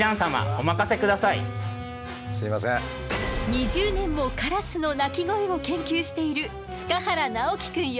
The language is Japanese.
２０年もカラスの鳴き声を研究している塚原直樹くんよ。